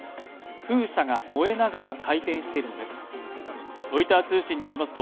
風車が燃えながら回転しているのです。